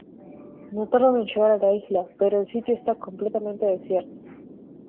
No tardan en llegar a la isla, pero el sitio está completamente desierto.